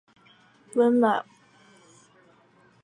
剩余的矮人七戒则被龙烧毁或重新落入索伦手中。